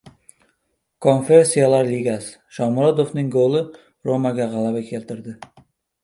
Konferensiyalar Ligasi. Shomurodovning goli "Roma"ga g‘alaba keltirdi